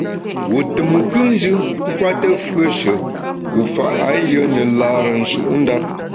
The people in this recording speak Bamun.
Wu tùm nkùnjù nkwete fùeshe wu fa ayùe ne lâre nshutndap.